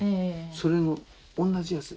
それの同じやつ。